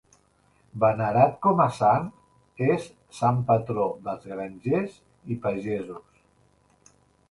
Venerat com a sant, és sant patró dels grangers i pagesos.